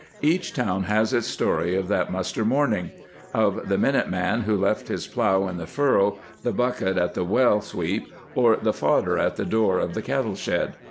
Each town has its story of that mus ter morning, of the minute man who left his plough in the furrow, the bucket at the well sweep, or the fodder at the door of the cattle shed.